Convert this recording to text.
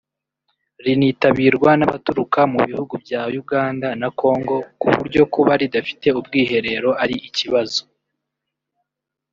rinitabirwa n’abaturuka mu bihugu bya Uganda na Congo ku buryo kuba ridafite ubwiherero ari ikibazo